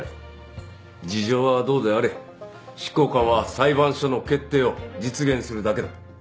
事情はどうであれ執行官は裁判所の決定を実現するだけだ。